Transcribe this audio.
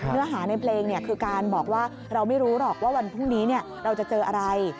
เนื้อหาในเพลงคือการบอกว่าเราไม่รู้หรอกว่าวันพรุ่งนี้เราจะเจออะไร